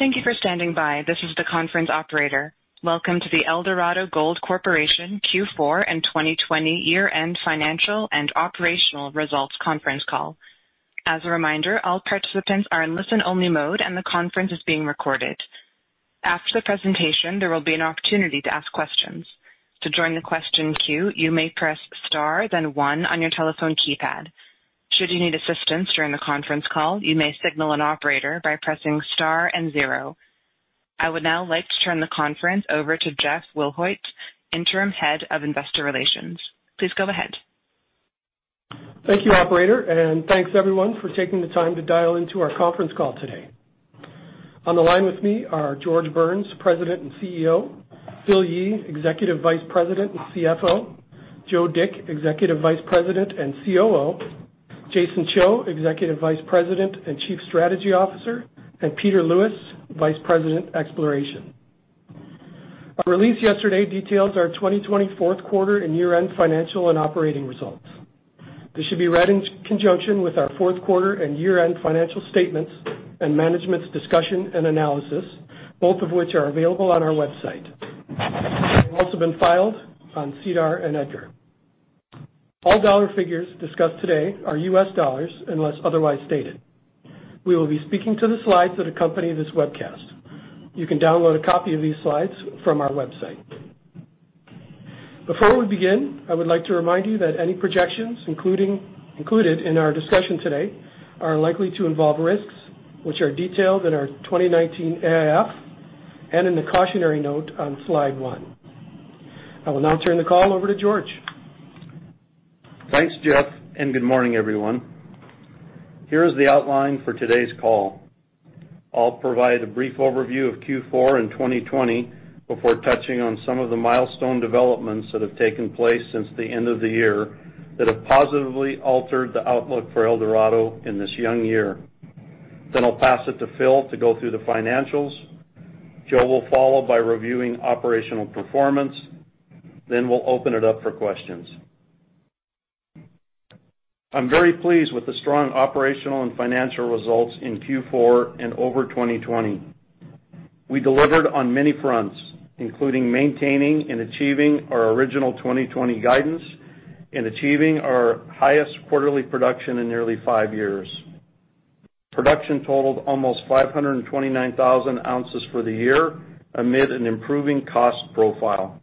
Thank you for standing by. This is the conference operator. Welcome to the Eldorado Gold Corporation Q4 and 2020 year-end financial and operational results conference call. As a reminder, all participants are in listen-only mode, and the conference is being recorded. After the presentation, there will be an opportunity to ask questions. To join the question queue, you may press star then one on your telephone keypad. Should you need assistance during the conference call, you may signal an operator by pressing star and zero. I would now like to turn the conference over to Jeff Wilhoit, Interim Head of Investor Relations. Please go ahead. Thank you, operator, and thanks everyone for taking the time to dial into our conference call today. On the line with me are George Burns, President and CEO, Phil Yee, Executive Vice President and CFO, Joe Dick, Executive Vice President and COO, Jason Cho, Executive Vice President and Chief Strategy Officer, and Peter Lewis, Vice President, Exploration. Our release yesterday detailed our 2020 fourth quarter and year-end financial and operating results. This should be read in conjunction with our fourth quarter and year-end financial statements and management's discussion and analysis, both of which are available on our website. They've also been filed on SEDAR and EDGAR. All dollar figures discussed today are U.S. dollars unless otherwise stated. We will be speaking to the slides that accompany this webcast. You can download a copy of these slides from our website. Before we begin, I would like to remind you that any projections included in our discussion today are likely to involve risks, which are detailed in our 2019 AIF and in the cautionary note on slide one. I will now turn the call over to George. Thanks, Jeff, and good morning, everyone. Here is the outline for today's call. I'll provide a brief overview of Q4 and 2020 before touching on some of the milestone developments that have taken place since the end of the year that have positively altered the outlook for Eldorado in this young year. I'll pass it to Phil to go through the financials. Joe will follow by reviewing operational performance. We'll open it up for questions. I'm very pleased with the strong operational and financial results in Q4 and over 2020. We delivered on many fronts, including maintaining and achieving our original 2020 guidance and achieving our highest quarterly production in nearly five years. Production totaled almost 529,000 oz for the year amid an improving cost profile.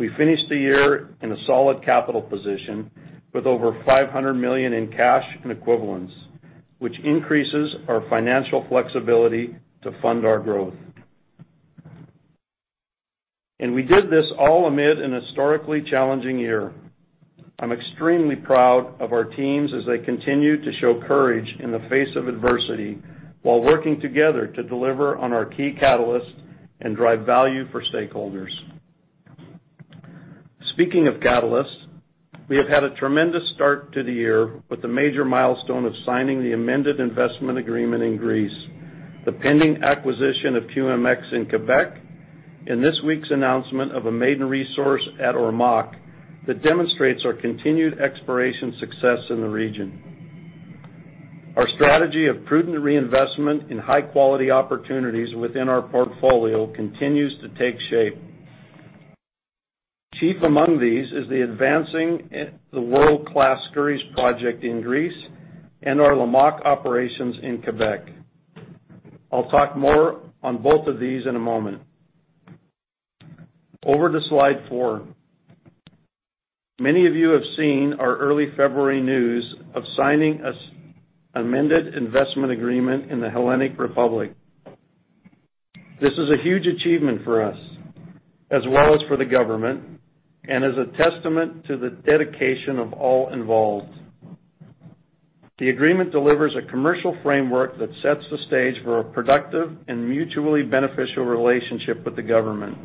We finished the year in a solid capital position with over $500 million in cash and equivalents, which increases our financial flexibility to fund our growth. We did this all amid a historically challenging year. I'm extremely proud of our teams as they continue to show courage in the face of adversity, while working together to deliver on our key catalysts and drive value for stakeholders. Speaking of catalysts, we have had a tremendous start to the year with the major milestone of signing the amended investment agreement in Greece, the pending acquisition of QMX in Quebec, and this week's announcement of a maiden resource at Ormaque that demonstrates our continued exploration success in the region. Our strategy of prudent reinvestment in high-quality opportunities within our portfolio continues to take shape. Chief among these is advancing the world-class Skouries project in Greece and our Lamaque operations in Quebec. I'll talk more on both of these in a moment. Over to slide four. Many of you have seen our early February news of signing an amended investment agreement in the Hellenic Republic. This is a huge achievement for us as well as for the government, and is a testament to the dedication of all involved. The agreement delivers a commercial framework that sets the stage for a productive and mutually beneficial relationship with the government.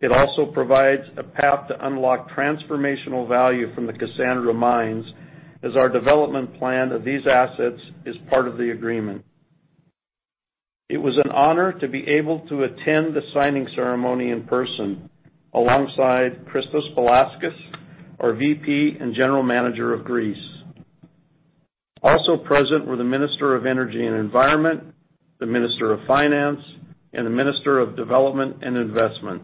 It also provides a path to unlock transformational value from the Kassandra Mines, as our development plan of these assets is part of the agreement. It was an honor to be able to attend the signing ceremony in person alongside Christos Balaskas, our VP and General Manager of Greece. Also present were the Minister of Environment and Energy, the Minister of Finance, and the Minister of Development and Investment.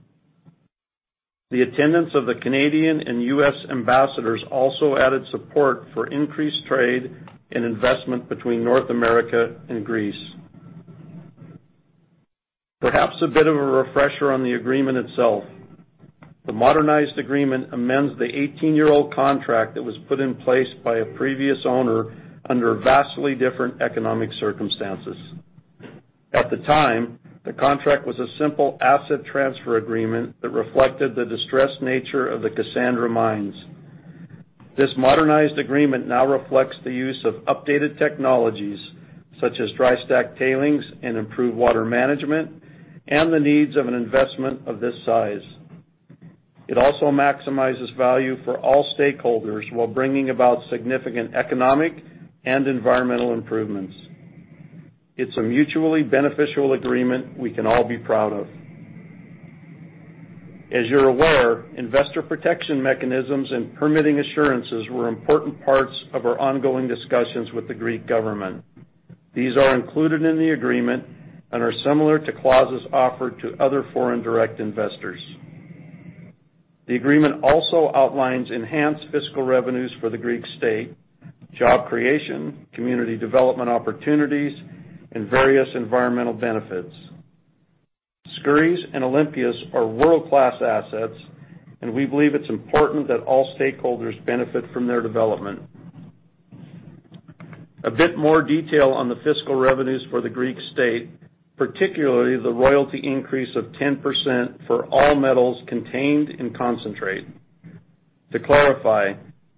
The attendance of the Canadian and U.S. ambassadors also added support for increased trade and investment between North America and Greece. Perhaps a bit of a refresher on the agreement itself. The modernized agreement amends the 18-year-old contract that was put in place by a previous owner under vastly different economic circumstances. At the time, the contract was a simple asset transfer agreement that reflected the distressed nature of the Kassandra Mines. This modernized agreement now reflects the use of updated technologies, such as dry stack tailings and improved water management, and the needs of an investment of this size. It also maximizes value for all stakeholders while bringing about significant economic and environmental improvements. It's a mutually beneficial agreement we can all be proud of. As you're aware, investor protection mechanisms and permitting assurances were important parts of our ongoing discussions with the Greek government. These are included in the agreement and are similar to clauses offered to other foreign direct investors. The agreement also outlines enhanced fiscal revenues for the Greek state, job creation, community development opportunities, and various environmental benefits. Skouries and Olympias are world-class assets, and we believe it's important that all stakeholders benefit from their development. A bit more detail on the fiscal revenues for the Greek state, particularly the royalty increase of 10% for all metals contained in concentrate. To clarify,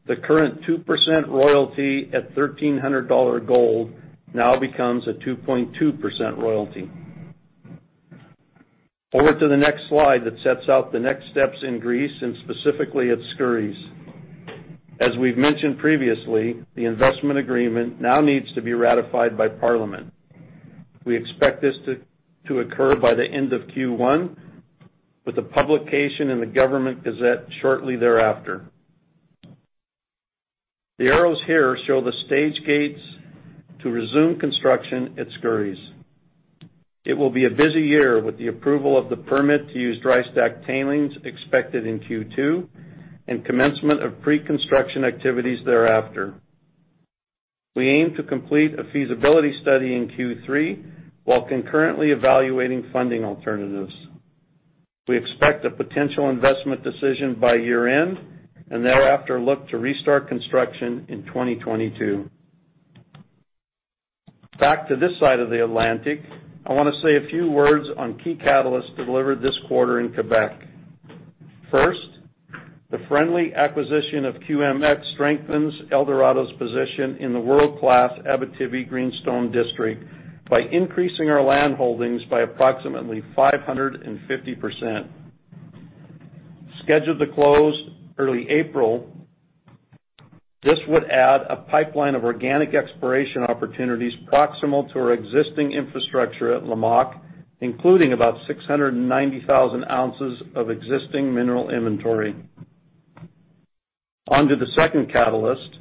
the current 2% royalty at $1,300 gold now becomes a 2.2% royalty. Over to the next slide that sets out the next steps in Greece and specifically at Skouries. As we've mentioned previously, the investment agreement now needs to be ratified by parliament. We expect this to occur by the end of Q1, with the publication in the Government Gazette shortly thereafter. The arrows here show the stage gates to resume construction at Skouries. It will be a busy year with the approval of the permit to use dry stack tailings expected in Q2, and commencement of pre-construction activities thereafter. We aim to complete a feasibility study in Q3 while concurrently evaluating funding alternatives. We expect a potential investment decision by year-end and thereafter look to restart construction in 2022. Back to this side of the Atlantic, I want to say a few words on key catalysts delivered this quarter in Quebec. First, the friendly acquisition of QMX strengthens Eldorado's position in the world-class Abitibi Greenstone district by increasing our land holdings by approximately 550%. Scheduled to close early April, this would add a pipeline of organic exploration opportunities proximal to our existing infrastructure at Lamaque, including about 690,000 oz of existing mineral inventory. On to the second catalyst,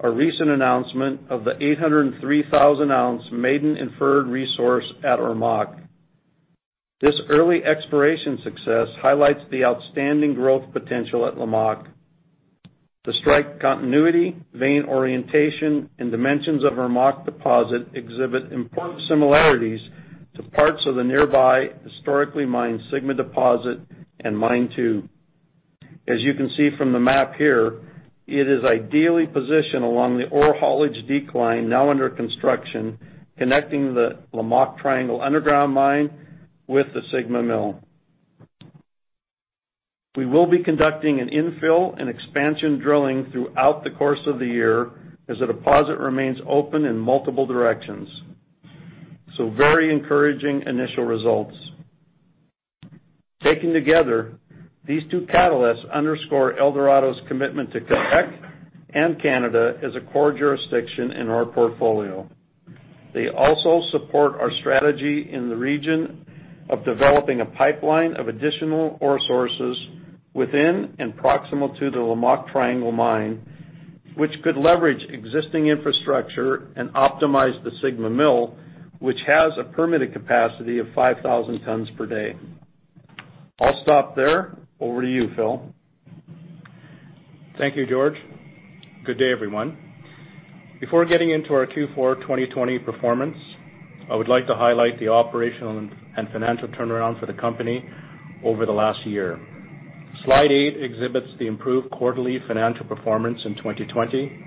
our recent announcement of the 803,000-ounce maiden inferred resource at Ormaque. This early exploration success highlights the outstanding growth potential at Lamaque. The strike continuity, vein orientation, and dimensions of Ormaque deposit exhibit important similarities to parts of the nearby historically mined Sigma deposit and Mine 2. As you can see from the map here, it is ideally positioned along the ore haulage decline now under construction, connecting the Lamaque Triangle underground mine with the Sigma mill. We will be conducting an infill and expansion drilling throughout the course of the year as the deposit remains open in multiple directions. Very encouraging initial results. Taken together, these two catalysts underscore Eldorado's commitment to Quebec and Canada as a core jurisdiction in our portfolio. They also support our strategy in the region of developing a pipeline of additional ore sources within and proximal to the Lamaque Triangle mine, which could leverage existing infrastructure and optimize the Sigma mill, which has a permitted capacity of 5,000 tons per day. I'll stop there. Over to you, Phil. Thank you, George. Good day, everyone. Before getting into our Q4 2020 performance, I would like to highlight the operational and financial turnaround for the company over the last year. Slide eight exhibits the improved quarterly financial performance in 2020,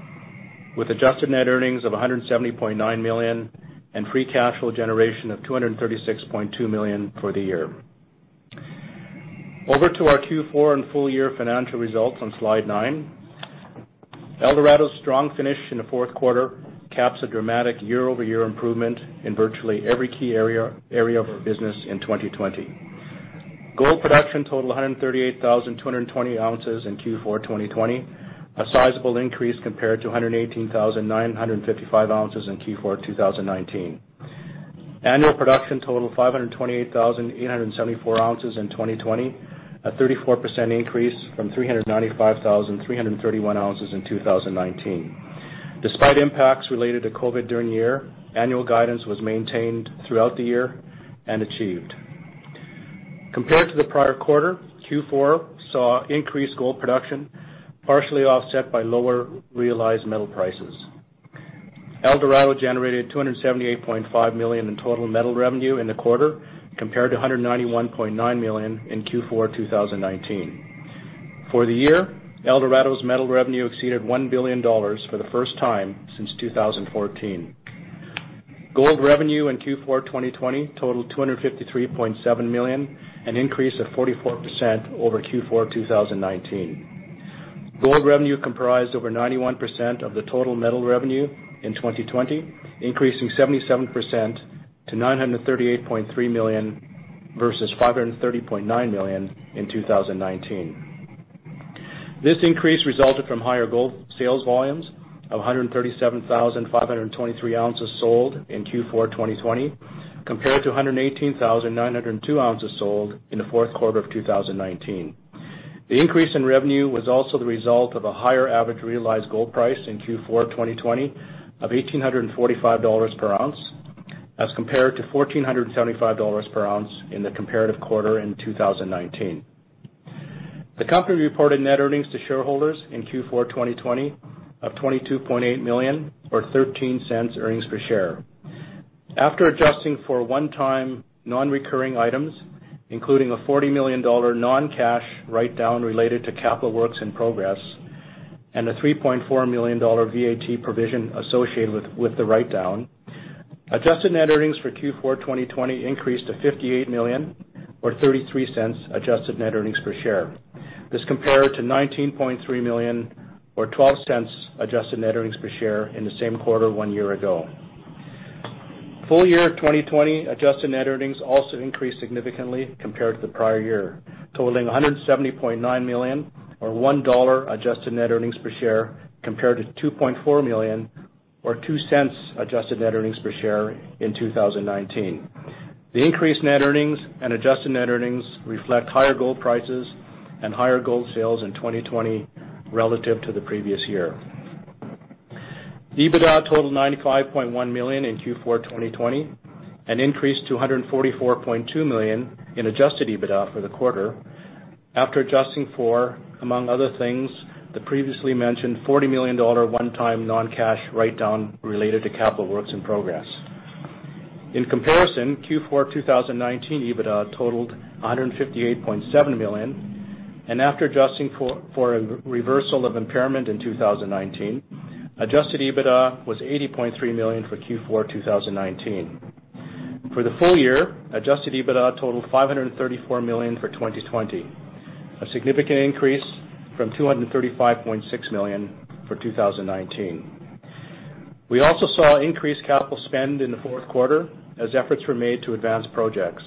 with adjusted net earnings of $170.9 million and free cash flow generation of $236.2 million for the year. Over to our Q4 and full year financial results on slide nine. Eldorado's strong finish in the fourth quarter caps a dramatic year-over-year improvement in virtually every key area of our business in 2020. Gold production totaled 138,220 oz in Q4 2020, a sizable increase compared to 118,955 oz in Q4 2019. Annual production totaled 528,874 oz in 2020, a 34% increase from 395,331 oz in 2019. Despite impacts related to COVID during the year, annual guidance was maintained throughout the year and achieved. Compared to the prior quarter, Q4 saw increased gold production, partially offset by lower realized metal prices. Eldorado generated $278.5 million in total metal revenue in the quarter, compared to $191.9 million in Q4 2019. For the year, Eldorado's metal revenue exceeded $1 billion for the first time since 2014. Gold revenue in Q4 2020 totaled $253.7 million, an increase of 44% over Q4 2019. Gold revenue comprised over 91% of the total metal revenue in 2020, increasing 77% to $938.3 million versus $530.9 million in 2019. This increase resulted from higher gold sales volumes of 137,523 oz sold in Q4 2020, compared to 118,902 oz sold in the fourth quarter of 2019. The increase in revenue was also the result of a higher average realized gold price in Q4 2020 of $1,845 per ounce, as compared to $1,475 per ounce in the comparative quarter in 2019. The company reported net earnings to shareholders in Q4 2020 of $22.8 million, or $0.13 earnings per share. After adjusting for a one-time non-recurring items, including a $40 million non-cash write-down related to capital works in progress, and a $3.4 million VAT provision associated with the write-down, adjusted net earnings for Q4 2020 increased to $58 million or $0.33 adjusted net earnings per share. This compared to $19.3 million or $0.12 adjusted net earnings per share in the same quarter one year ago. Full year 2020 adjusted net earnings also increased significantly compared to the prior year, totaling $170.9 million or $1 adjusted net earnings per share, compared to $2.4 million or $0.02 adjusted net earnings per share in 2019. The increased net earnings and adjusted net earnings reflect higher gold prices and higher gold sales in 2020 relative to the previous year. EBITDA totaled $95.1 million in Q4 2020 and increased to $144.2 million in adjusted EBITDA for the quarter after adjusting for, among other things, the previously mentioned $40 million one-time non-cash write-down related to capital works in progress. In comparison, Q4 2019 EBITDA totaled $158.7 million, and after adjusting for a reversal of impairment in 2019, adjusted EBITDA was $80.3 million for Q4 2019. For the full year, adjusted EBITDA totaled $534 million for 2020, a significant increase from $235.6 million for 2019. We also saw increased capital spend in the fourth quarter as efforts were made to advance projects.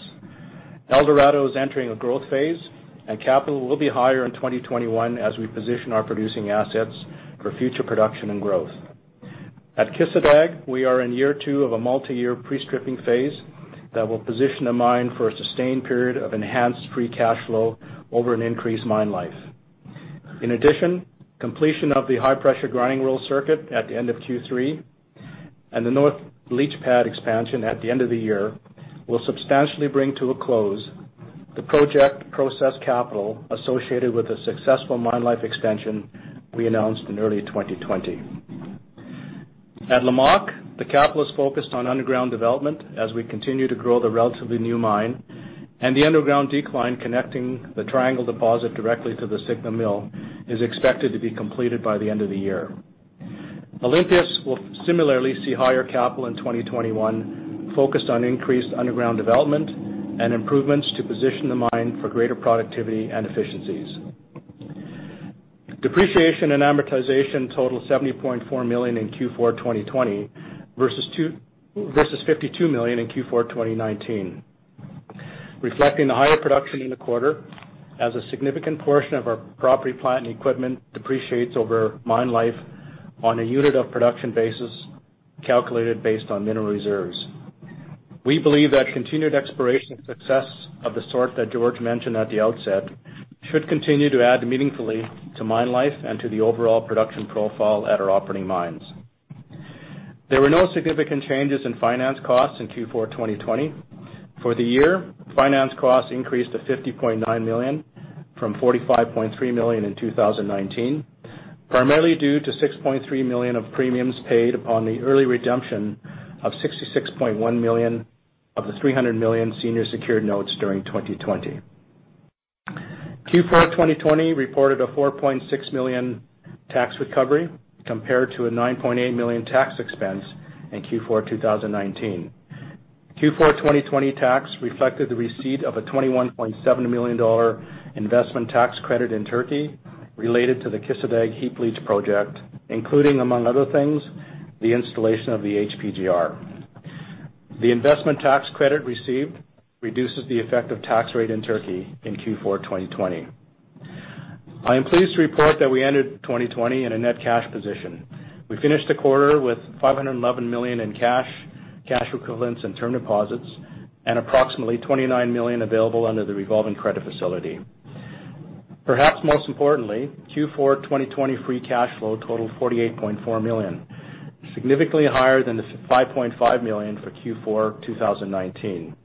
Eldorado is entering a growth phase, and capital will be higher in 2021 as we position our producing assets for future production and growth. At Kisladag, we are in year two of a multi-year pre-stripping phase that will position the mine for a sustained period of enhanced free cash flow over an increased mine life. In addition, completion of the high-pressure grinding roll circuit at the end of Q3 and the North leach pad expansion at the end of the year will substantially bring to a close the project process capital associated with the successful mine life extension we announced in early 2020. At Lamaque, the capital is focused on underground development as we continue to grow the relatively new mine, and the underground decline connecting the Triangle deposit directly to the Sigma mill is expected to be completed by the end of the year. Olympias will similarly see higher capital in 2021, focused on increased underground development and improvements to position the mine for greater productivity and efficiencies. Depreciation and amortization totaled $70.4 million in Q4 2020 versus $52 million in Q4 2019, reflecting the higher production in the quarter as a significant portion of our property, plant, and equipment depreciates over mine life on a unit of production basis calculated based on mineral reserves. We believe that continued exploration success of the sort that George mentioned at the outset should continue to add meaningfully to mine life and to the overall production profile at our operating mines. There were no significant changes in finance costs in Q4 2020. For the year, finance costs increased to $50.9 million from $45.3 million in 2019, primarily due to $6.3 million of premiums paid upon the early redemption of $66.1 million of the $300 million senior secured notes during 2020. Q4 2020 reported a $4.6 million tax recovery compared to a $9.8 million tax expense in Q4 2019. Q4 2020 tax reflected the receipt of a $21.7 million investment tax credit in Turkey related to the Kisladag heap leach project, including, among other things, the installation of the HPGR. The investment tax credit received reduces the effective tax rate in Turkey in Q4 2020. I am pleased to report that we ended 2020 in a net cash position. We finished the quarter with $511 million in cash equivalents, and term deposits, and approximately $29 million available under the revolving credit facility. Perhaps most importantly, Q4 2020 free cash flow totaled $48.4 million, significantly higher than the $5.5 million for Q4 2019.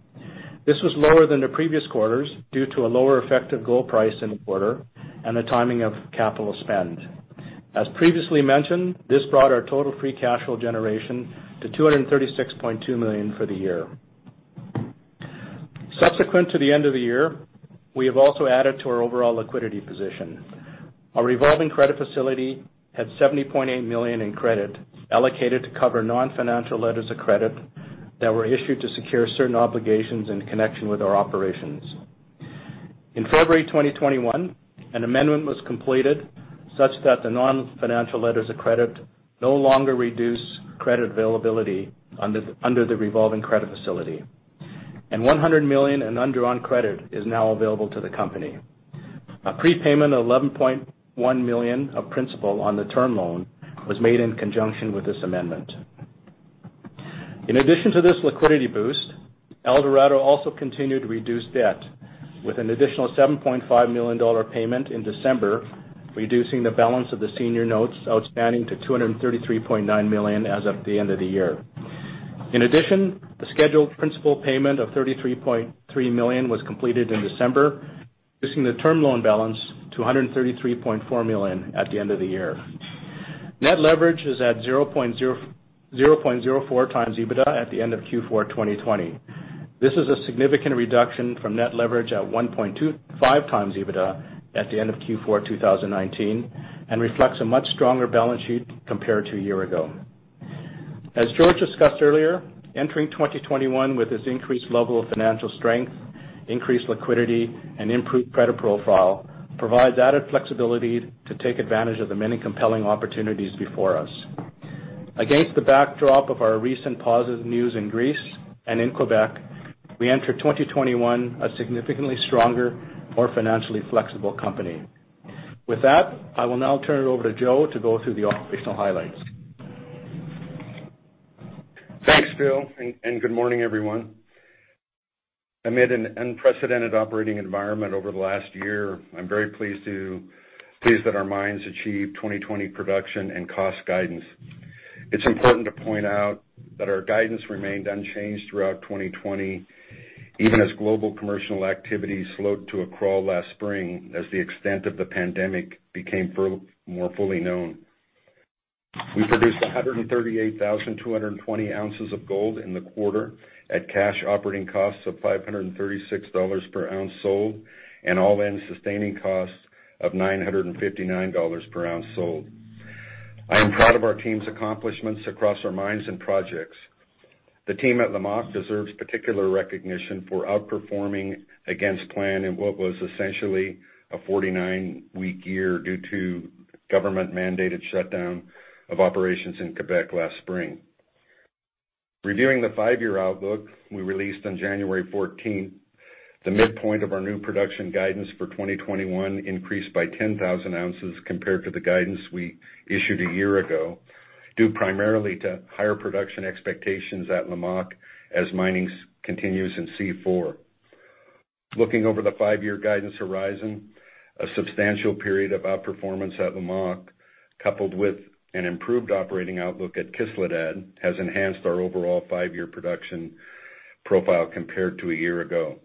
This was lower than the previous quarters due to a lower effective gold price in the quarter and the timing of capital spend. As previously mentioned, this brought our total free cash flow generation to $236.2 million for the year. Subsequent to the end of the year, we have also added to our overall liquidity position. Our revolving credit facility had $70.8 million in credit allocated to cover non-financial letters of credit that were issued to secure certain obligations in connection with our operations. In February 2021, an amendment was completed such that the non-financial letters of credit no longer reduce credit availability under the revolving credit facility. $100 million in undrawn credit is now available to the company. A prepayment of $11.1 million of principal on the term loan was made in conjunction with this amendment. In addition to this liquidity boost, Eldorado also continued to reduce debt with an additional $7.5 million payment in December, reducing the balance of the senior notes outstanding to $233.9 million as of the end of the year. In addition, the scheduled principal payment of $33.3 million was completed in December, reducing the term loan balance to $133.4 million at the end of the year. Net leverage is at 0.04x EBITDA at the end of Q4 2020. This is a significant reduction from net leverage at 1.25x EBITDA at the end of Q4 2019, and reflects a much stronger balance sheet compared to a year ago. As George discussed earlier, entering 2021 with this increased level of financial strength, increased liquidity, and improved credit profile, provides added flexibility to take advantage of the many compelling opportunities before us. Against the backdrop of our recent positive news in Greece and in Quebec, we enter 2021 a significantly stronger, more financially flexible company. With that, I will now turn it over to Joe to go through the operational highlights. Thanks, Phil, and good morning, everyone. Amid an unprecedented operating environment over the last year, I'm very pleased that our mines achieved 2020 production and cost guidance. It's important to point out that our guidance remained unchanged throughout 2020, even as global commercial activity slowed to a crawl last spring as the extent of the pandemic became more fully known. We produced 138,220 oz of gold in the quarter at cash operating costs of $536 per ounce sold, and all-in sustaining costs of $959 per ounce sold. I am proud of our team's accomplishments across our mines and projects. The team at Lamaque deserves particular recognition for outperforming against plan in what was essentially a 49-week year due to government-mandated shutdown of operations in Quebec last spring. Reviewing the five-year outlook we released on January 14th, the midpoint of our new production guidance for 2021 increased by 10,000 oz compared to the guidance we issued a year ago, due primarily to higher production expectations at Lamaque as mining continues in C4. Looking over the five-year guidance horizon, a substantial period of outperformance at Lamaque, coupled with an improved operating outlook at Kisladag, has enhanced our overall five-year production profile compared to a year ago.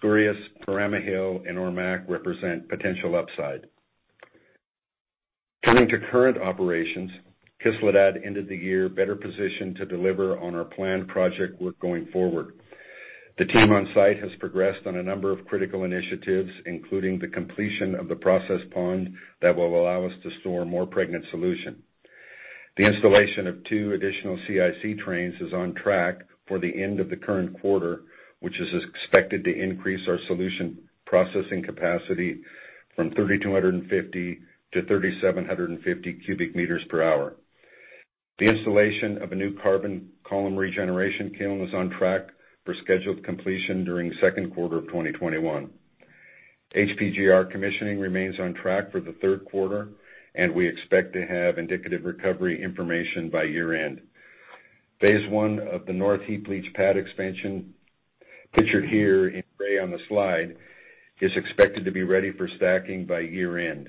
Skouries, Perama Hill, and Ormaque represent potential upside. Turning to current operations, Kisladag ended the year better positioned to deliver on our planned project work going forward. The team on site has progressed on a number of critical initiatives, including the completion of the process pond that will allow us to store more pregnant solution. The installation of two additional CIC trains is on track for the end of the current quarter, which is expected to increase our solution processing capacity from 3,250 to 3,750 cubic meters per hour. The installation of a new carbon column regeneration kiln is on track for scheduled completion during the second quarter of 2021. HPGR commissioning remains on track for the third quarter, and we expect to have indicative recovery information by year-end. Phase one of the North heap leach pad expansion, pictured here in gray on the slide, is expected to be ready for stacking by year-end.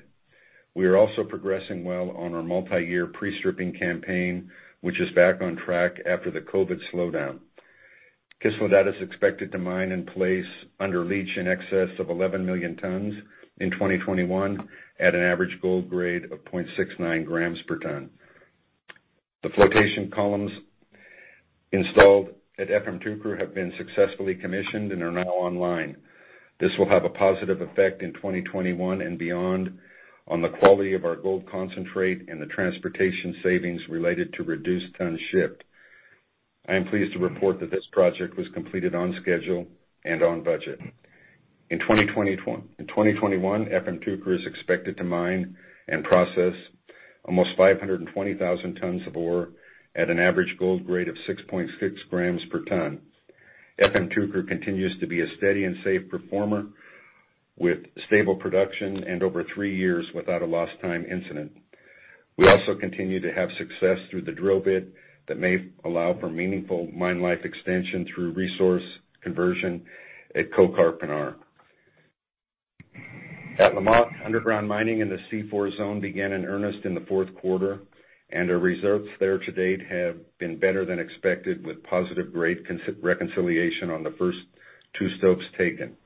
We are also progressing well on our multiyear pre-stripping campaign, which is back on track after the COVID slowdown. Kisladag is expected to mine and place under leach in excess of 11 million tons in 2021 at an average gold grade of 0.69 grams per ton. The flotation columns installed at Efemcukuru have been successfully commissioned and are now online. This will have a positive effect in 2021 and beyond on the quality of our gold concentrate and the transportation savings related to reduced tons shipped. I am pleased to report that this project was completed on schedule and on budget. In 2021, Efemcukuru is expected to mine and process almost 520,000 tons of ore at an average gold grade of 6.6 grams per ton. Efemcukuru continues to be a steady and safe performer with stable production and over three years without a lost time incident. We also continue to have success through the drill bit that may allow for meaningful mine life extension through resource conversion at Kökarpınar. At Lamaque, underground mining in the C4 zone began in earnest in the fourth quarter, and our results there to date have been better than expected, with positive grade reconciliation on the first two stopes taken.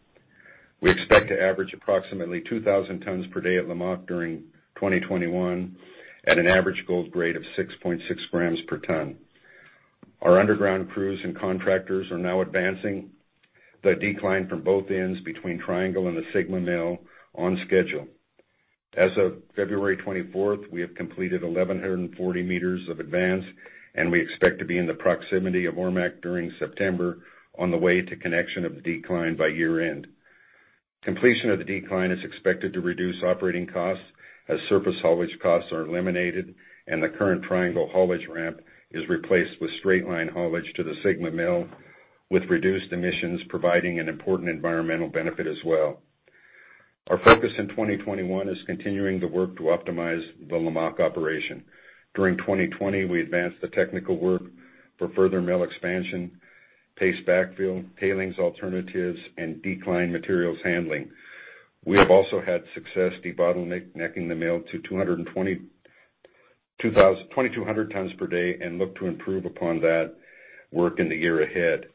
We expect to average approximately 2,000 tons per day at Lamaque during 2021 at an average gold grade of 6.6 grams per ton. Our underground crews and contractors are now advancing the decline from both ends between Triangle and the Sigma mill on schedule. As of February 24th, we have completed 1,140 m of advance, and we expect to be in the proximity of Ormaque during September on the way to connection of the decline by year-end. Completion of the decline is expected to reduce operating costs as surface haulage costs are eliminated and the current Triangle haulage ramp is replaced with straight line haulage to the Sigma mill, with reduced emissions providing an important environmental benefit as well. Our focus in 2021 is continuing the work to optimize the Lamaque operation. During 2020, we advanced the technical work for further mill expansion, paste backfill, tailings alternatives, and decline materials handling. We have also had success debottlenecking the mill to 2,200 tons per day and look to improve upon that work in the year ahead.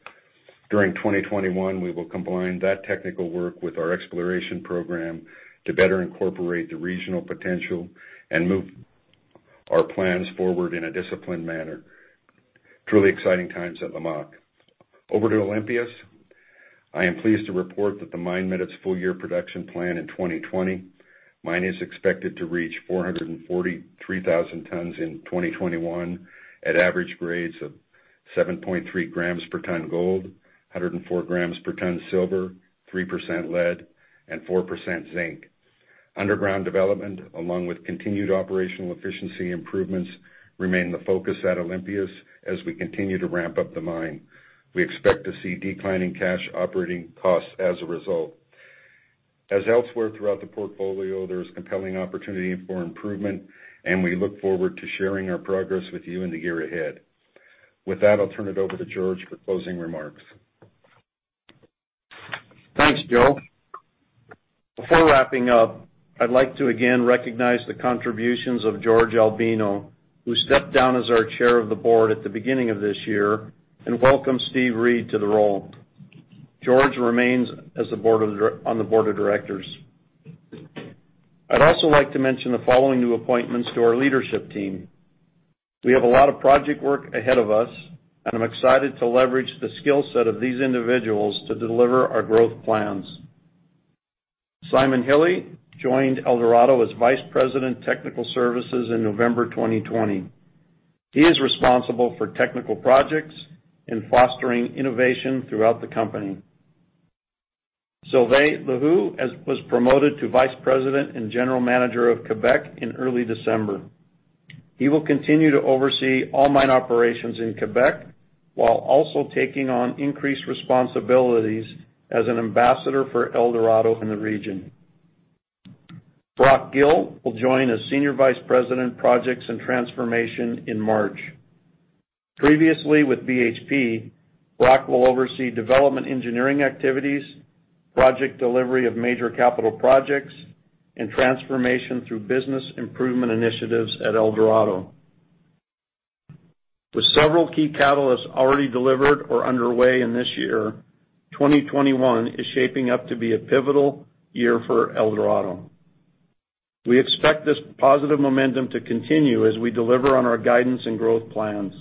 During 2021, we will combine that technical work with our exploration program to better incorporate the regional potential and move our plans forward in a disciplined manner. Truly exciting times at Lamaque. Over to Olympias. I am pleased to report that the mine met its full year production plan in 2020. The mine is expected to reach 443,000 tons in 2021 at average grades of 7.3 grams per ton gold, 104 grams per ton silver, 3% lead, and 4% zinc. Underground development, along with continued operational efficiency improvements, remain the focus at Olympias as we continue to ramp up the mine. We expect to see declining cash operating costs as a result. As elsewhere throughout the portfolio, there is compelling opportunity for improvement, and we look forward to sharing our progress with you in the year ahead. With that, I'll turn it over to George for closing remarks. Thanks, Joe. Before wrapping up, I'd like to again recognize the contributions of George Albino, who stepped down as our Chair of the Board at the beginning of this year, and welcome Steve Reid to the role. George remains on the Board of Directors. I'd also like to mention the following new appointments to our leadership team. We have a lot of project work ahead of us, and I'm excited to leverage the skill set of these individuals to deliver our growth plans. Simon Hille joined Eldorado as Vice President, Technical Services in November 2020. He is responsible for technical projects and fostering innovation throughout the company. Sylvain Lehoux was promoted to Vice President and General Manager of Quebec in early December. He will continue to oversee all mine operations in Quebec while also taking on increased responsibilities as an ambassador for Eldorado in the region. Brock Gill will join as Senior Vice President Projects and Transformation in March. Previously with BHP, Brock will oversee development engineering activities, project delivery of major capital projects, and transformation through business improvement initiatives at Eldorado. With several key catalysts already delivered or underway in this year, 2021 is shaping up to be a pivotal year for Eldorado. We expect this positive momentum to continue as we deliver on our guidance and growth plans.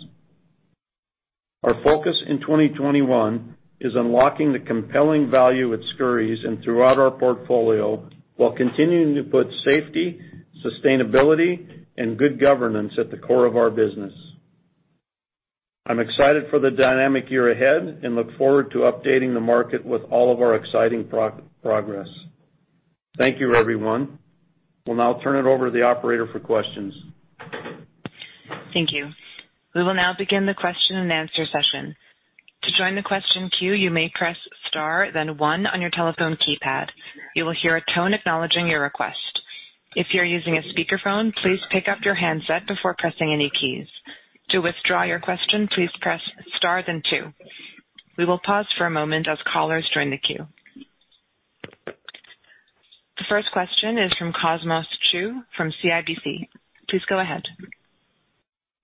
Our focus in 2021 is unlocking the compelling value at Skouries and throughout our portfolio, while continuing to put safety, sustainability, and good governance at the core of our business. I'm excited for the dynamic year ahead and look forward to updating the market with all of our exciting progress. Thank you, everyone. We'll now turn it over to the operator for questions. Thank you. We will now begin the question and answer session. To join the question queue, you may press star then one on your telephone keypad. You will hear a tone acknowledging your request. If you're using a speakerphone, please pick up your handset before pressing any keys. To withdraw your question, please press star then two. We will pause for a moment as callers join the queue. The first question is from Cosmos Chiu from CIBC. Please go ahead.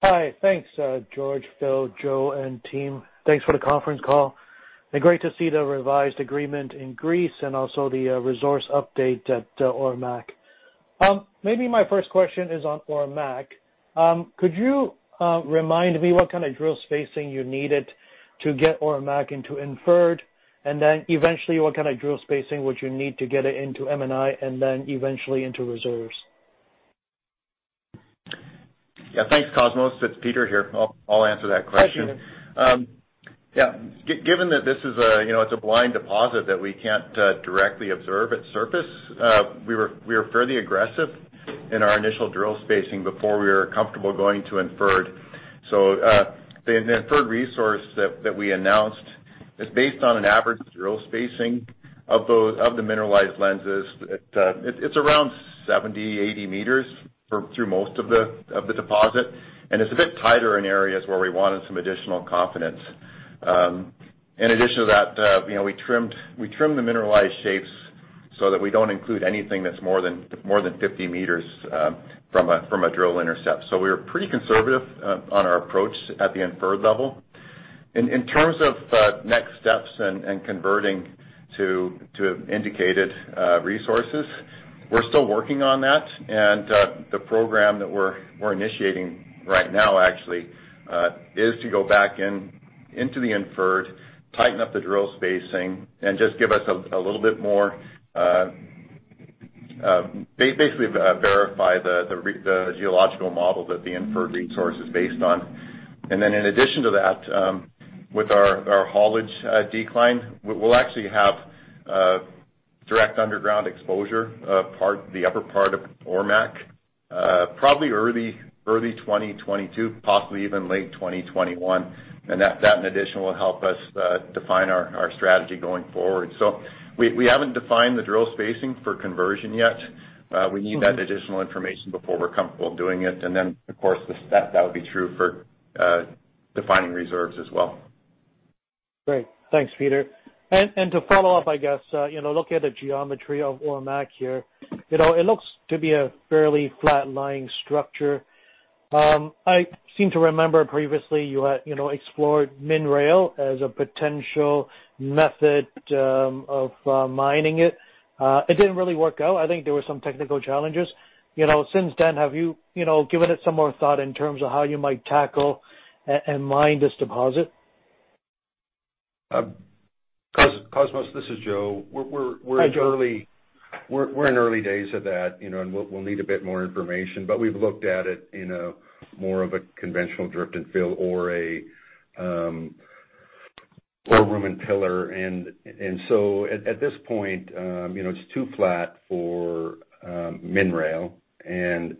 Hi. Thanks, George, Phil, Joe, and team. Thanks for the conference call. It's been great to see the revised agreement in Greece and also the resource update at Ormaque. Maybe my first question is on Ormaque. Could you remind me what kind of drill spacing you needed to get Ormaque into inferred? And then eventually, what kind of drill spacing would you need to get it into M&I and then eventually into reserves? Yeah. Thanks, Cosmos. It's Peter here. I'll answer that question. Hi, Peter. Yeah. Given that this is a blind deposit that we can't directly observe at surface, we were fairly aggressive in our initial drill spacing before we were comfortable going to Inferred. The Inferred resource that we announced is based on an average drill spacing of the mineralized lenses. It's around 70 m-80 m through most of the deposit, and it's a bit tighter in areas where we wanted some additional confidence. In addition to that, we trimmed the mineralized shapes so that we don't include anything that's more than 50 m from a drill intercept. We were pretty conservative on our approach at the Inferred level. In terms of next steps and converting to Indicated resources, we're still working on that. The program that we're initiating right now actually is to go back into the inferred, tighten up the drill spacing, and just give us a little bit more. Basically verify the geological model that the inferred resource is based on. Then in addition to that, with our haulage decline, we'll actually have direct underground exposure to the upper part of Ormaque, probably early 2022, possibly even late 2021. That in addition will help us define our strategy going forward. We haven't defined the drill spacing for conversion yet. We need that additional information before we're comfortable doing it. Then of course, that would be true for defining reserves as well. Great. Thanks, Peter. To follow up, I guess, looking at the geometry of Ormaque here, it looks to be a fairly flat-lying structure. I seem to remember previously you had explored monorail as a potential method of mining it. It didn't really work out. I think there were some technical challenges. Since then, have you given it some more thought in terms of how you might tackle and mine this deposit? Cosmos, this is Joe. Hi, Joe. We're in early days of that, and we'll need a bit more information. We've looked at it in more of a conventional drift and fill or a room and pillar. At this point, it's too flat for monorail. I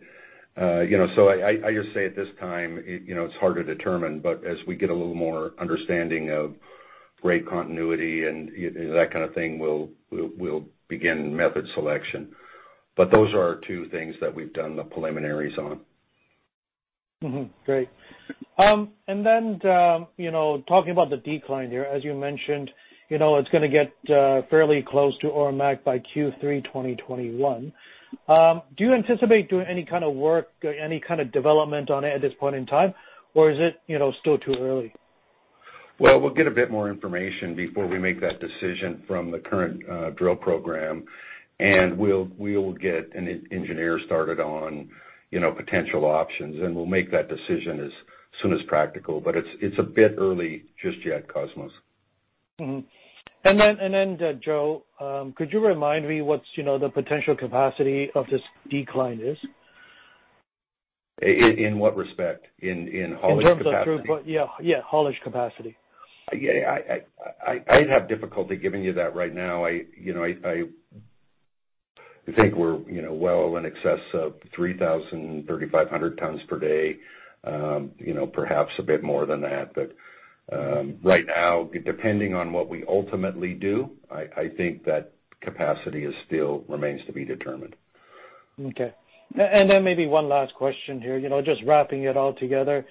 just say at this time, it's hard to determine. As we get a little more understanding of ore continuity and that kind of thing, we'll begin method selection. Those are two things that we've done the preliminaries on. Great. Talking about the decline here, as you mentioned, it's going to get fairly close to Ormaque by Q3 2021. Do you anticipate doing any work, any development on it at this point in time? Or is it still too early? Well, we'll get a bit more information before we make that decision from the current drill program, and we'll get an engineer started on potential options, and we'll make that decision as soon as practical. It's a bit early just yet, Cosmos. Joe, could you remind me what's the potential capacity of this decline is? In what respect? In haulage capacity? In terms of throughput, yeah. Haulage capacity. I'd have difficulty giving you that right now. I think we're well in excess of 3,000-3,500 tons per day, perhaps a bit more than that. Right now, depending on what we ultimately do, I think that capacity still remains to be determined. Okay. Maybe one last question here, just wrapping it all together.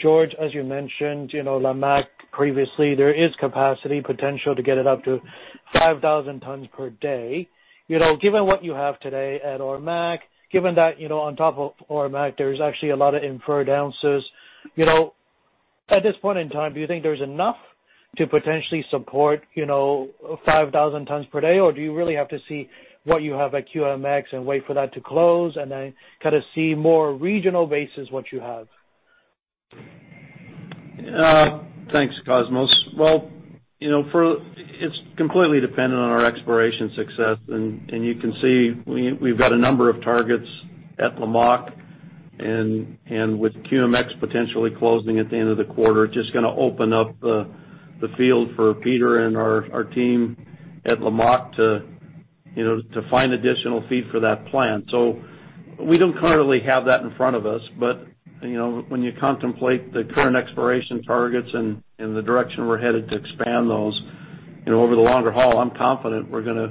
George, as you mentioned, Lamaque previously, there is capacity potential to get it up to 5,000 tons per day. Given what you have today at Ormaque, given that on top of Ormaque, there is actually a lot of inferred ounces. At this point in time, do you think there's enough to potentially support 5,000 tons per day? Or do you really have to see what you have at QMX and wait for that to close and then see more regional basis what you have? Thanks, Cosmos. Well, it's completely dependent on our exploration success, and you can see we've got a number of targets at Lamaque. With QMX potentially closing at the end of the quarter, just going to open up the field for Peter and our team at Lamaque to find additional feed for that plant. We don't currently have that in front of us, but when you contemplate the current exploration targets and the direction we're headed to expand those, over the longer haul, I'm confident we're going to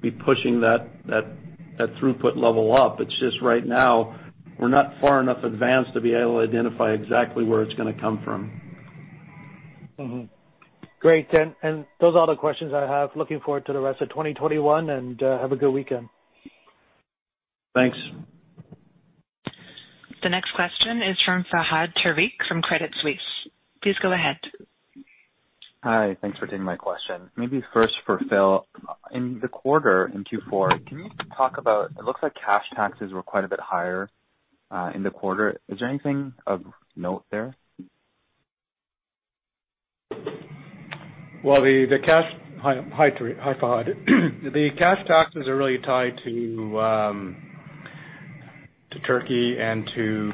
be pushing that throughput level up. It's just right now, we're not far enough advanced to be able to identify exactly where it's going to come from. Great. Those are all the questions I have. Looking forward to the rest of 2021, and have a good weekend. Thanks. The next question is from Fahad Tariq from Credit Suisse. Please go ahead. Hi. Thanks for taking my question. Maybe first for Phil. In the quarter, in Q4, can you talk about it? It looks like cash taxes were quite a bit higher in the quarter. Is there anything of note there? Well, hi, Fahad. The cash taxes are really tied to Turkey and to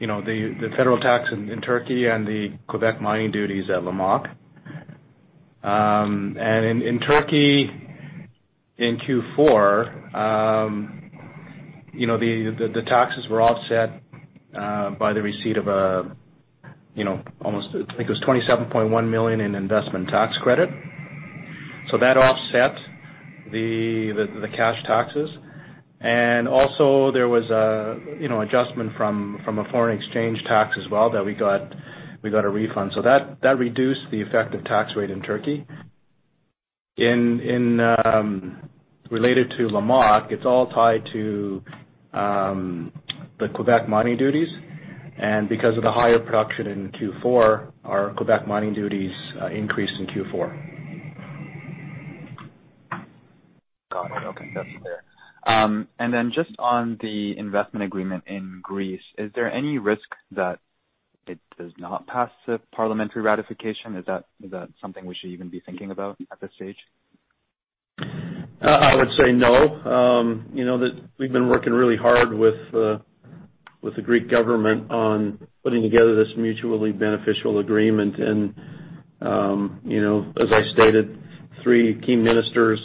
the federal tax in Turkey and the Quebec mining duties at Lamaque. In Turkey in Q4, the taxes were offset by the receipt of almost, I think it was $27.1 million in investment tax credit. That offset the cash taxes. Also there was adjustment from a foreign exchange tax as well that we got a refund. That reduced the effective tax rate in Turkey. Related to Lamaque, it's all tied to the Quebec mining duties. Because of the higher production in Q4, our Quebec mining duties increased in Q4. Got it. Okay. That's fair. Just on the investment agreement in Greece, is there any risk that it does not pass the parliamentary ratification? Is that something we should even be thinking about at this stage? I would say no. We've been working really hard with the Greek government on putting together this mutually beneficial agreement, and as I stated, three key ministers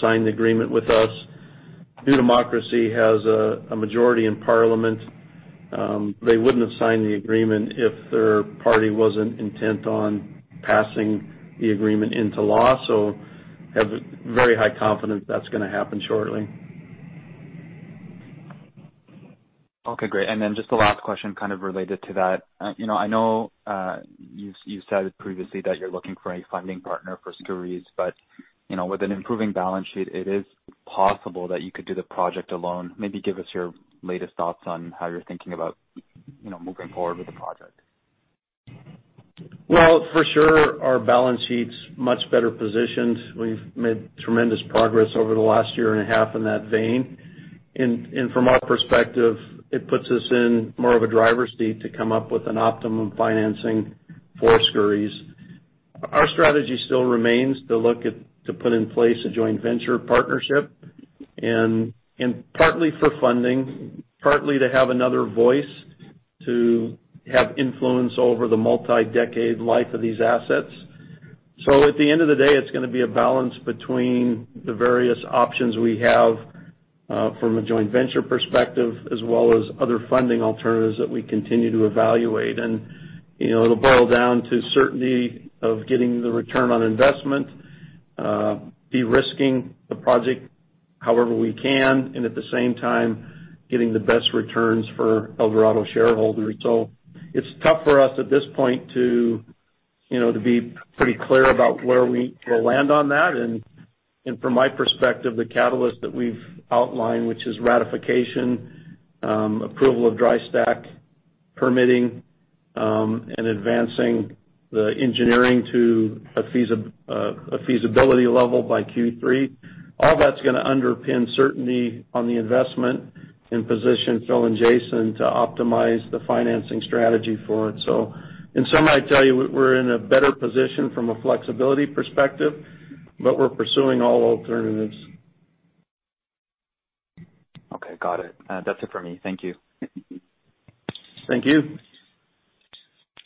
signed the agreement with us. New Democracy has a majority in parliament. They wouldn't have signed the agreement if their party wasn't intent on passing the agreement into law, so I have very high confidence that's going to happen shortly. Okay, great. Just the last question kind of related to that. I know you've said previously that you're looking for a funding partner for Skouries, but with an improving balance sheet, it is possible that you could do the project alone. Maybe give us your latest thoughts on how you're thinking about moving forward with the project. Well, for sure, our balance sheet's much better positioned. We've made tremendous progress over the last year and a half in that vein. From our perspective, it puts us in more of a driver's seat to come up with an optimum financing for Skouries. Our strategy still remains to look to put in place a joint venture partnership, and partly for funding, partly to have another voice to have influence over the multi-decade life of these assets. At the end of the day, it's going to be a balance between the various options we have from a joint venture perspective, as well as other funding alternatives that we continue to evaluate. It'll boil down to certainty of getting the return on investment, de-risking the project however we can, and at the same time, getting the best returns for Eldorado shareholders. It's tough for us at this point to be pretty clear about where we will land on that. From my perspective, the catalyst that we've outlined, which is ratification, approval of dry stack permitting, and advancing the engineering to a feasibility level by Q3, all that's going to underpin certainty on the investment and position Phil and Jason to optimize the financing strategy for it. In summary, I'd tell you we're in a better position from a flexibility perspective, but we're pursuing all alternatives. Okay, got it. That's it for me. Thank you. Thank you.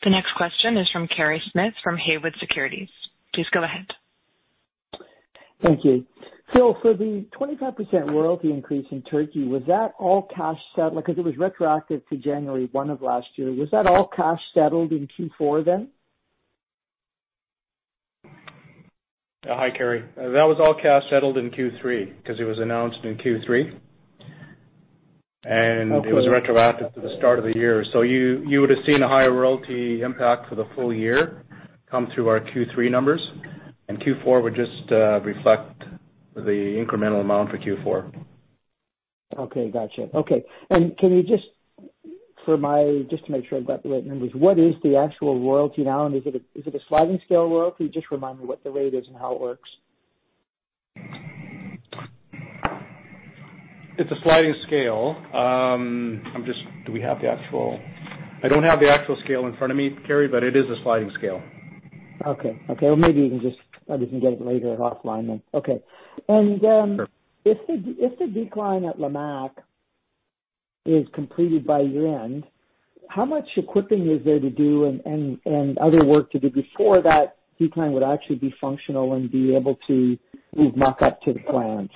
The next question is from Kerry Smith from Haywood Securities. Please go ahead. Thank you. Phil, for the 25% royalty increase in Turkey, was that all cash settled because it was retroactive to January 1 of last year? Was that all cash settled in Q4 then? Hi, Kerry. That was all cash settled in Q3 because it was announced in Q3. Okay. It was retroactive to the start of the year. You would have seen a higher royalty impact for the full year come through our Q3 numbers, and Q4 would just reflect the incremental amount for Q4. Okay, got you. Okay. Can you just, to make sure I've got the right numbers, what is the actual royalty now, and is it a sliding scale royalty? Just remind me what the rate is and how it works. It's a sliding scale. I don't have the actual scale in front of me, Kerry, but it is a sliding scale. Okay. Well, maybe I can get it later offline then. Okay. Sure. If the decline at Lamaque is completed by year-end, how much equipping is there to do and other work to do before that decline would actually be functional and be able to move muck up to the plant?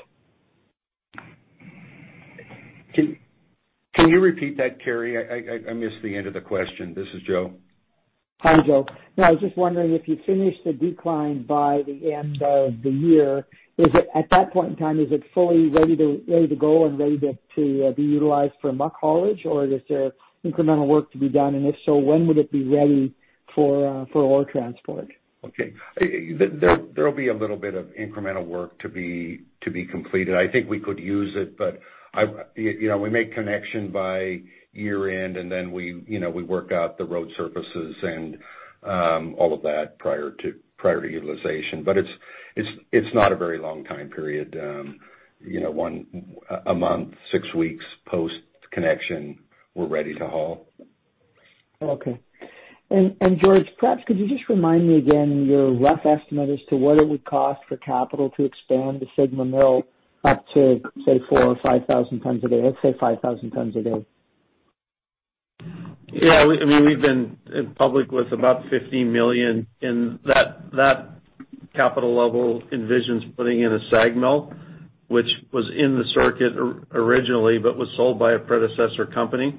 Can you repeat that, Kerry? I missed the end of the question. This is Joe. Hi, Joe. No, I was just wondering if you finish the decline by the end of the year, at that point in time, is it fully ready to go and ready to be utilized for muck haulage, or is there incremental work to be done? If so, when would it be ready for ore transport? Okay. There'll be a little bit of incremental work to be completed. I think we could use it, but we make connection by year-end, and then we work out the road surfaces and all of that prior to utilization. It's not a very long time period. A month, six weeks post-connection, we're ready to haul. Okay. George, perhaps could you just remind me again your rough estimate as to what it would cost for capital to expand the Sigma mill up to, say, 4,000 or 5,000 tons a day? Let's say 5,000 tons a day. Yeah. We've been public with about $50 million, and that capital level envisions putting in a SAG mill, which was in the circuit originally but was sold by a predecessor company.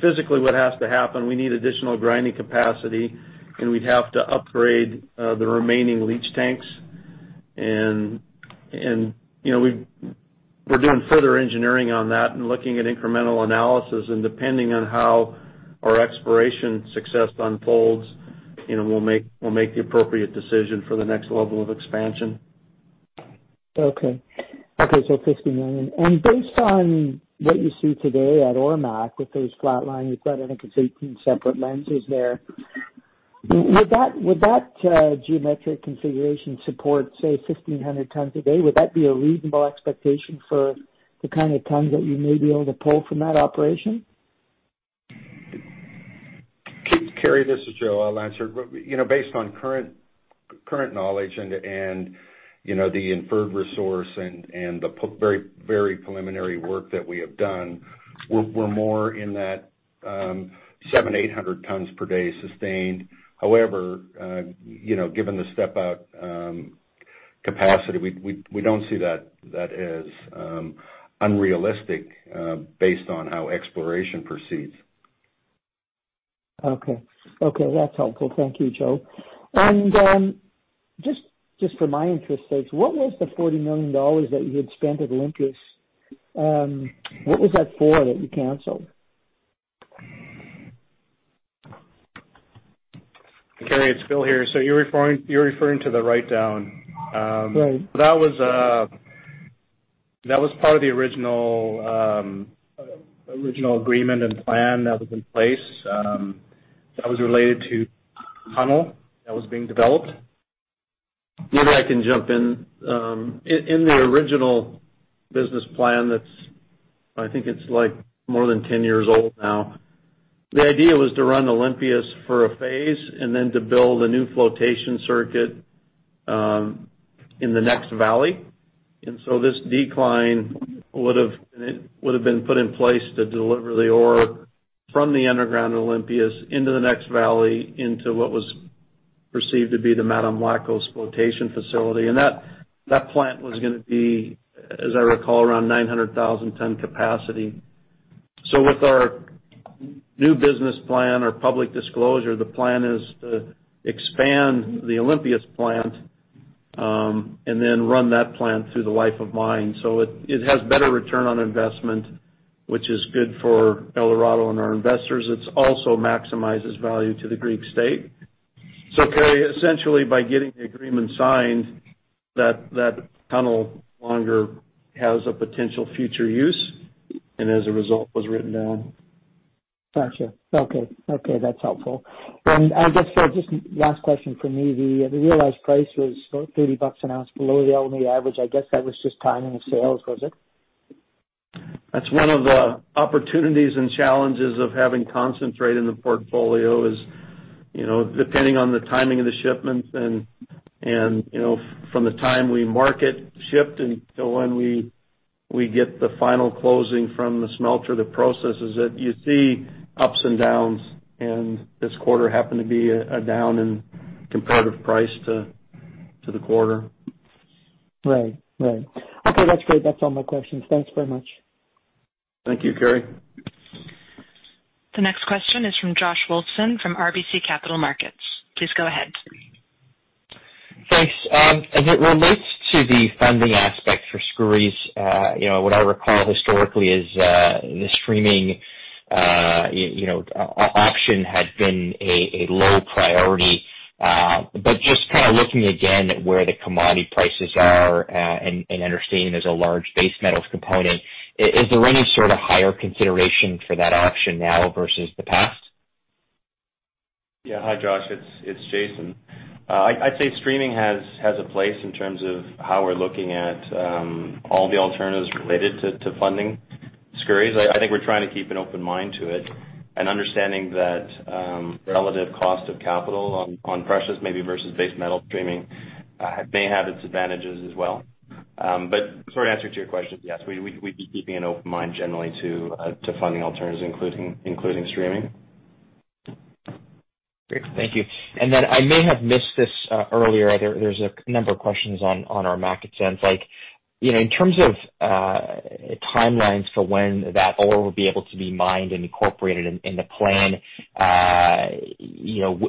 Physically what has to happen, we need additional grinding capacity, and we'd have to upgrade the remaining leach tanks. We're doing further engineering on that and looking at incremental analysis, and depending on how our exploration success unfolds, we'll make the appropriate decision for the next level of expansion. Okay. 50 million. Based on what you see today at Ormaque, with those fault lines, you've got, I think it's 18 separate lenses there. Would that geometric configuration support, say, 1,500 tons a day? Would that be a reasonable expectation for the kind of tons that you may be able to pull from that operation? Kerry, this is Joe. I'll answer. Based on current knowledge and the inferred resource and the very preliminary work that we have done, we're more in that 700-800 tons per day sustained. However, given the step-out capacity, we don't see that as unrealistic based on how exploration proceeds. Okay. That's helpful. Thank you, Joe. And, just for my interest's sake, what was the $40 million that you had spent at Olympias? What was that for, that you canceled? Kerry, it's Phil here. You're referring to the write-down. Right. That was part of the original agreement and plan that was in place. That was related to tunnel that was being developed. Maybe I can jump in. In the original business plan, I think it's more than 10 years old now, the idea was to run Olympias for a phase and then to build a new flotation circuit in the next valley. This decline would've been put in place to deliver the ore from the underground Olympias into the next valley, into what was perceived to be the Madem Lakkos flotation facility. That plant was going to be, as I recall, around 900,000-ton capacity. With our new business plan or public disclosure, the plan is to expand the Olympias plant, and then run that plant through the life of mine. It has better return on investment, which is good for Eldorado and our investors. It also maximizes value to the Greek state. Kerry, essentially by getting the agreement signed, that tunnel no longer has a potential future use, and as a result, was written down. Got you. Okay. That's helpful. I guess, Phil, just last question from me. The realized price was $30 an ounce below the gold average. I guess that was just timing of sales, was it? That's one of the opportunities and challenges of having concentrate in the portfolio is, depending on the timing of the shipments and from the time the market shifts until when we get the final closing from the smelter, the process is that you see ups and downs, and this quarter happened to be a down in comparative price to the quarter. Right. Okay. That's great. That's all my questions. Thanks very much. Thank you, Kerry. The next question is from Josh Wolfson from RBC Capital Markets. Please go ahead. Thanks. As it relates to the funding aspect for Skouries, what I recall historically is, the streaming option had been a low priority. Just looking again at where the commodity prices are, and understanding there's a large base metals component, is there any sort of higher consideration for that option now versus the past? Yeah. Hi, Josh. It's Jason. I'd say streaming has a place in terms of how we're looking at all the alternatives related to funding Skouries. I think we're trying to keep an open mind to it and understanding that relative cost of capital on precious maybe versus base metal streaming, may have its advantages as well. Short answer to your question, yes, we'd be keeping an open mind generally to funding alternatives, including streaming. Great. Thank you. I may have missed this earlier. There's a number of questions on Ormaque, in terms of timelines for when that ore will be able to be mined and incorporated in the plan,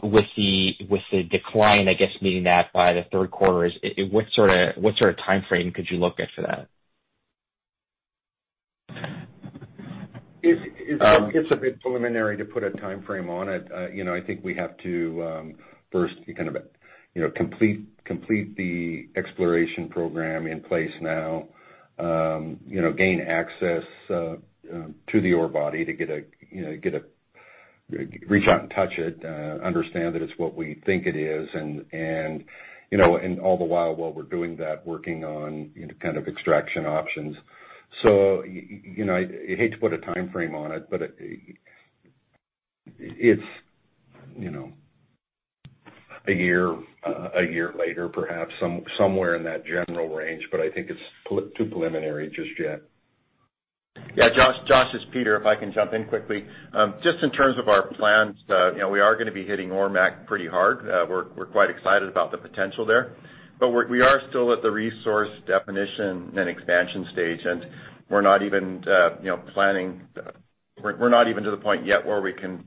with the decline, I guess, meaning that by the third quarter, what sort of timeframe could you look at for that? It's a bit preliminary to put a timeframe on it. I think we have to first complete the exploration program in place now, gain access to the ore body to reach out and touch it, understand that it's what we think it is, and all the while we're doing that, working on extraction options. I hate to put a timeframe on it, but it's a year later perhaps, somewhere in that general range, but I think it's too preliminary just yet. Yeah, Josh, it's Peter, if I can jump in quickly. Just in terms of our plans, we are going to be hitting Ormaque pretty hard. We're quite excited about the potential there. We are still at the resource definition and expansion stage, and we're not even to the point yet where we can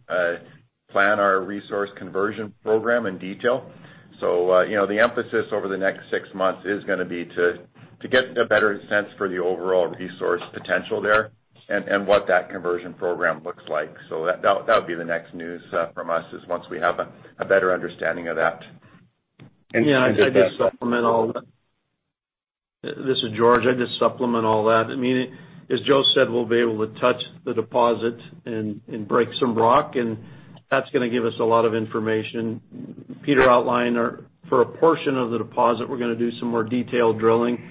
plan our resource conversion program in detail. The emphasis over the next six months is going to be to get a better sense for the overall resource potential there and what that conversion program looks like. That would be the next news from us, once we have a better understanding of that. Just to supplement all that. This is George. As Joe said, we'll be able to touch the deposit and break some rock, and that's going to give us a lot of information. Peter outlined that for a portion of the deposit, we're going to do some more detailed drilling.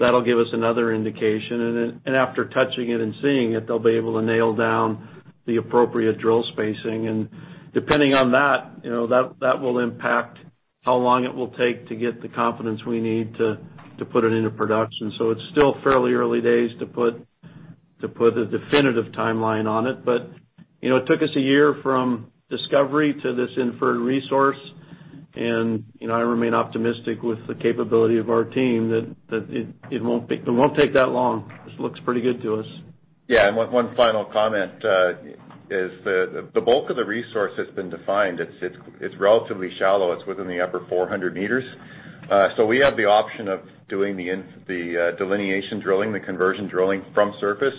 That'll give us another indication. Then after touching it and seeing it, they'll be able to nail down the appropriate drill spacing. Depending on that will impact how long it will take to get the confidence we need to put it into production. It's still fairly early days to put a definitive timeline on it. It took us a year from discovery to this inferred resource, and I remain optimistic with the capability of our team that it won't take that long. This looks pretty good to us. Yeah. One final comment is the bulk of the resource that's been defined, it's relatively shallow. It's within the upper 400 m. We have the option of doing the delineation drilling, the conversion drilling from surface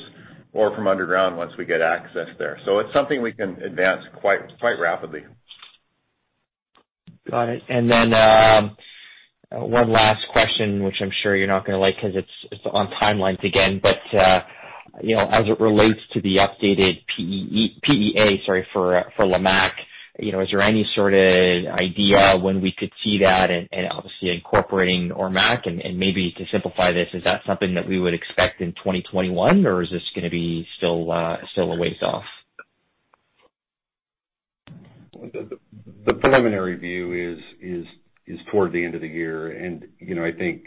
or from underground once we get access there. It's something we can advance quite rapidly. Got it. One last question, which I'm sure you're not going to like because it's on timelines again. As it relates to the updated PEA, sorry, for Lamaque, is there any sort of idea when we could see that and obviously incorporating Ormaque? Maybe to simplify this, is that something that we would expect in 2021, or is this going to be still a ways off? The preliminary view is toward the end of the year. I think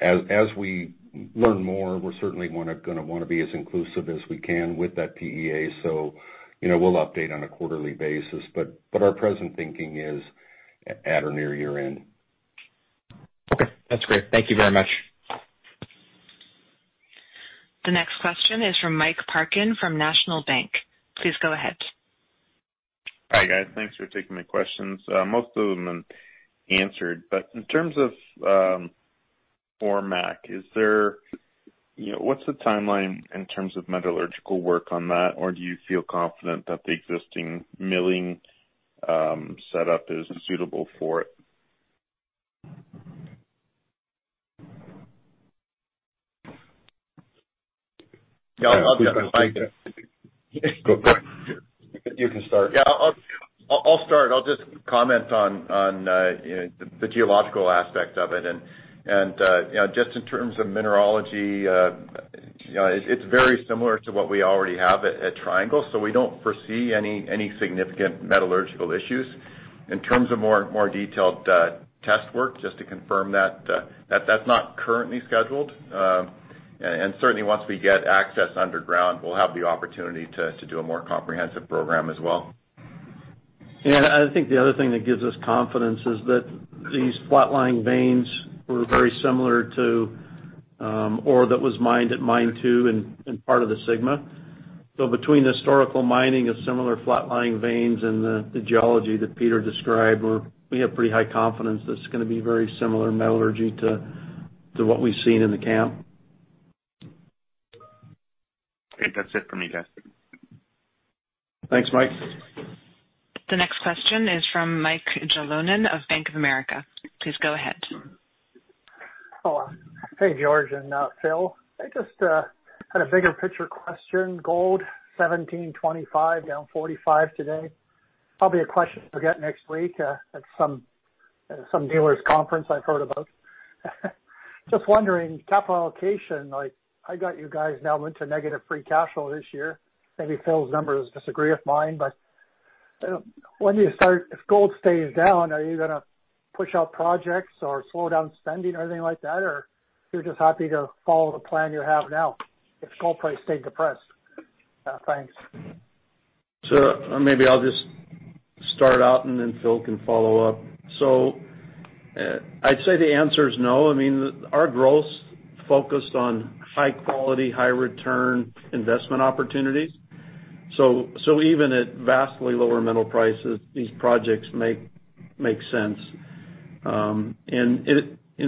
as we learn more, we're certainly going to want to be as inclusive as we can with that PEA. We'll update on a quarterly basis. Our present thinking is at or near year-end. Okay. That's great. Thank you very much. The next question is from Mike Parkin from National Bank. Please go ahead. Hi, guys. Thanks for taking my questions. Most of them have been answered, but in terms of Ormaque, what's the timeline in terms of metallurgical work on that? Or do you feel confident that the existing milling setup is suitable for it? Yeah, I'll jump in. Go for it. You can start. Yeah, I'll start. I'll just comment on the geological aspect of it. Just in terms of mineralogy, it's very similar to what we already have at Triangle, so we don't foresee any significant metallurgical issues. In terms of more detailed test work, just to confirm that's not currently scheduled. Certainly, once we get access underground, we'll have the opportunity to do a more comprehensive program as well. I think the other thing that gives us confidence is that these flat-lying veins were very similar to ore that was mined at Mine 2 and part of the Sigma. Between the historical mining of similar flat-lying veins and the geology that Peter described, we have pretty high confidence this is going to be very similar metallurgy to what we've seen in the camp. Okay, that's it for me, guys. Thanks, Mike. The next question is from Mike Jalonen of Bank of America. Please go ahead. Hello. Hey, George and Phil. I just had a bigger picture question. Gold, $1,725, down $45 today. Probably a question you'll get next week at some dealers conference I've heard about. Just wondering, capital allocation, like, I got you guys now into negative free cash flow this year. Maybe Phil's numbers disagree with mine. When do you start? If gold stays down, are you going to push out projects or slow down spending or anything like that? Or you're just happy to follow the plan you have now if gold price stayed depressed? Thanks. Maybe I'll just start out, and then Phil can follow up. I'd say the answer is no. Our growth's focused on high quality, high return investment opportunities. Even at vastly lower metal prices, these projects make sense.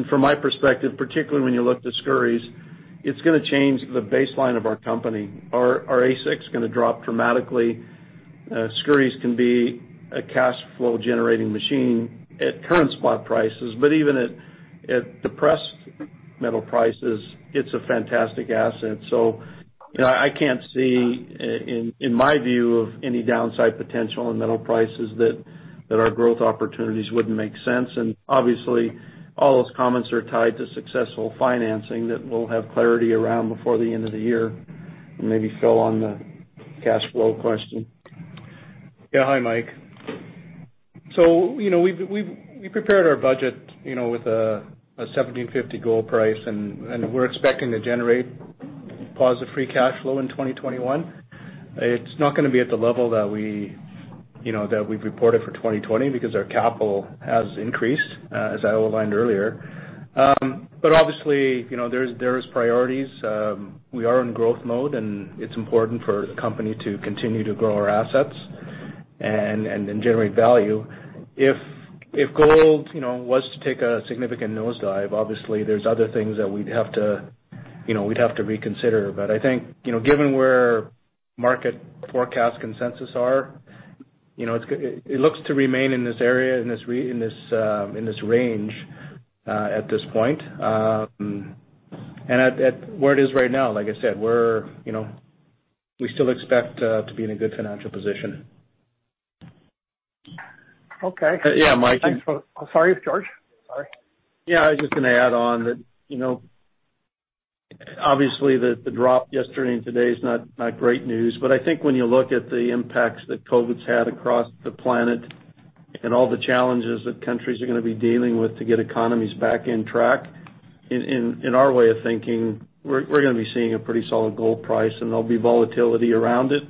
From my perspective, particularly when you look to Skouries, it's going to change the baseline of our company. Our AISC is going to drop dramatically. Skouries can be a cash flow generating machine at current spot prices. Even at depressed metal prices, it's a fantastic asset. I can't see, in my view, of any downside potential in metal prices that our growth opportunities wouldn't make sense. Obviously, all those comments are tied to successful financing that we'll have clarity around before the end of the year. Maybe Phil on the cash flow question. Yeah. Hi, Mike. We prepared our budget with a $1,750 gold price, and we're expecting to generate positive free cash flow in 2021. It's not going to be at the level that we've reported for 2020 because our capital has increased, as I outlined earlier. Obviously, there's priorities. We are in growth mode, and it's important for the company to continue to grow our assets and then generate value. If gold was to take a significant nosedive, obviously there's other things that we'd have to reconsider. I think, given where market forecast consensus are, it looks to remain in this area, in this range at this point. Where it is right now, like I said, we still expect to be in a good financial position. Okay. Yeah, Mike. Sorry, George. Sorry. Yeah, I was just going to add on that obviously the drop yesterday and today is not great news. I think when you look at the impacts that COVID's had across the planet and all the challenges that countries are going to be dealing with to get economies back on track, in our way of thinking, we're going to be seeing a pretty solid gold price, and there'll be volatility around it.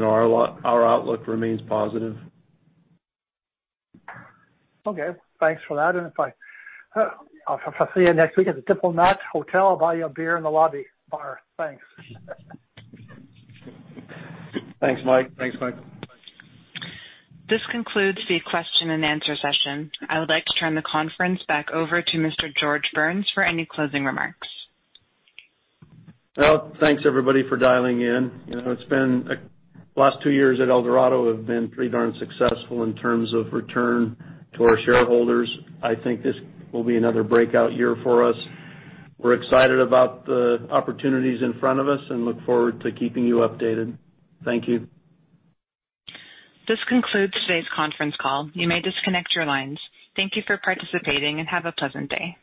Our outlook remains positive. Okay. Thanks for that. If I see you next week at the Diplomat Hotel, I'll buy you a beer in the lobby bar. Thanks. Thanks, Mike. Thanks, Mike. This concludes the question and answer session. I would like to turn the conference back over to Mr. George Burns for any closing remarks. Well, thanks everybody for dialing in. The last two years at Eldorado have been pretty darn successful in terms of return to our shareholders. I think this will be another breakout year for us. We're excited about the opportunities in front of us and look forward to keeping you updated. Thank you. This concludes today's conference call. You may disconnect your lines. Thank you for participating, and have a pleasant day.